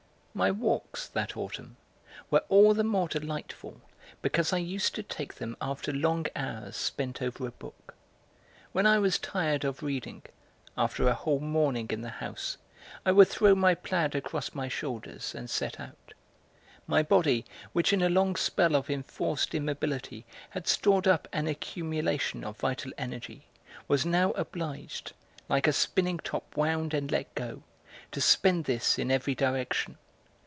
My walks, that autumn, were all the more delightful because I used to take them after long hours spent over a book. When I was tired of reading, after a whole morning in the house, I would throw my plaid across my shoulders and set out; my body, which in a long spell of enforced immobility had stored up an accumulation of vital energy, was now obliged, like a spinning top wound and let go, to spend this in every direction.